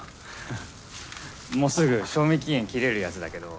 もうすぐ賞味期限切れるやつだけど。